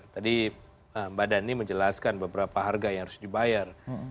tadi mbak dhani menjelaskan beberapa harga yang harus dibayar